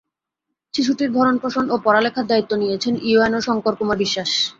শিশুটির ভরণ পোষণ ও পড়ালেখার দায়িত্ব নিয়েছেন ইউএনও শঙ্কর কুমার বিশ্বাস।